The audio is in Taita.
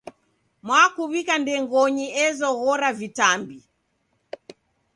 Mwakuw'ika ndengonyi ezoghora vitambi.